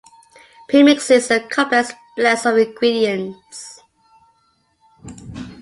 Premixes are complex blends of ingredients.